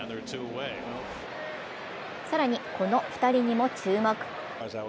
更に、この２人にも注目。